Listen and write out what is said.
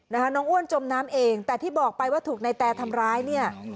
น้องอ้วนจมน้ำเองแต่ที่บอกไปว่าถูกนายแตทำร้ายเนี่ย